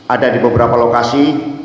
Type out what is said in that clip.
ada di beberapa lokasi